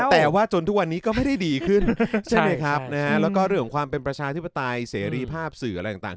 แต่ว่าจนทุกวันนี้ก็ไม่ได้ดีขึ้นใช่ไหมครับนะฮะแล้วก็เรื่องของความเป็นประชาธิปไตยเสรีภาพสื่ออะไรต่าง